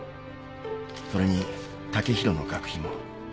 それに剛洋の学費も。